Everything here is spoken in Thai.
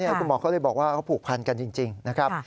คุณหมอเขาเลยบอกว่าเขาผูกพันกันจริงนะครับ